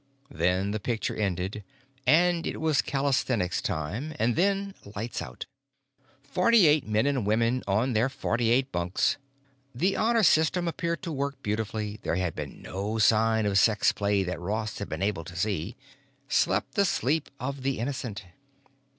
Then the picture ended, and it was calisthenics time, and then lights out. Forty eight men and women on their forty eight bunks—the honor system appeared to work beautifully; there had been no signs of sex play that Ross had been able to see—slept the sleep of the innocent.